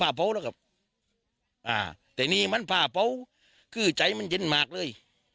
เผาแล้วครับอ่าแต่นี่มันผ้าเผาคือใจมันเย็นมากเลย